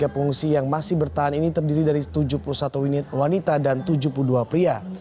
satu ratus empat puluh tiga pengungsi yang masih bertahan ini terdiri dari tujuh puluh satu wanita dan tujuh puluh dua pria